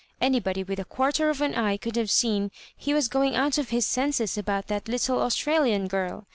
Anybody with a quarter of an eye could have seen he was going out of his senses about that little Australian girl.